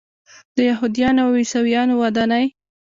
د یهودانو او عیسویانو ودانۍ.